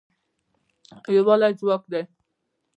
یووالی ځواک دی